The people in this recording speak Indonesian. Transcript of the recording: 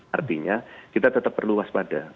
artinya kita tetap perlu waspada